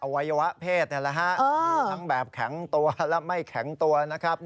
วัยวะเพศนี่แหละฮะมีทั้งแบบแข็งตัวและไม่แข็งตัวนะครับ